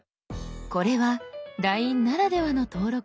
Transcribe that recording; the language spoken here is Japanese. これは「ＬＩＮＥ」ならではの登録の項目。